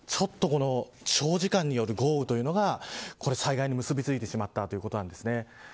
長時間による豪雨というのが災害に結びついてしまったということなんですね。